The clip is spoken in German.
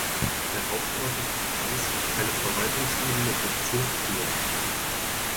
Der Hauptort ist Stans, eine Verwaltungsebene "Bezirk" fehlt.